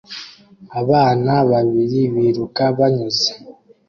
Abana babiri biruka banyuze